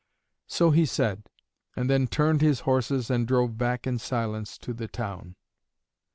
So he said, and then turned his horses and drove back in silence to the town.